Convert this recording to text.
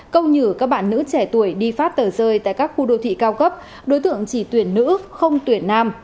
câu nhử các bạn nữ trẻ tuổi đi phát tờ rơi tại các khu đô thị cao cấp đối tượng chỉ tuyển nữ không tuyển nam